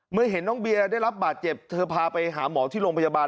เห็นน้องเบียร์ได้รับบาดเจ็บเธอพาไปหาหมอที่โรงพยาบาล